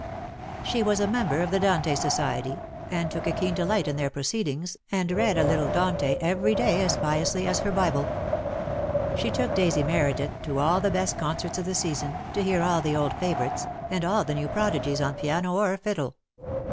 She was a member of the Dante Society, and took a keen delight in their proceedings, and read a little Dante every day as piously as her Bible. She took Daisy Meredith to all the best concerts of the season, to hear all the old favourites, and all the new prodigies on piano or fiddle.